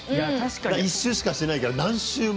１周しかしてないから何周も。